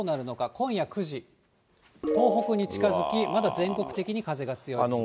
今夜９時、東北に近づき、まだ全国的に風が強いです。